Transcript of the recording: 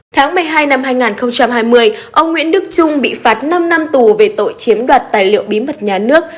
tháng một mươi hai năm hai nghìn hai mươi ông nguyễn đức trung bị phạt năm năm tù về tội chiếm đoạt tài liệu bí mật nhà nước